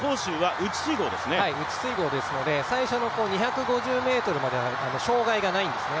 内水濠ですので最初の２５０ｍまでは障害がないんですね。